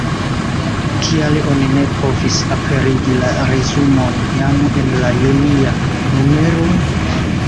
Kial oni ne povis aperigi la resumon jam en la junia numero?